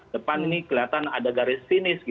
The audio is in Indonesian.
depan ini kelihatan ada garis finish